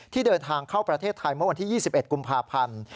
เดินทางเข้าประเทศไทยเมื่อวันที่๒๑กุมภาพันธ์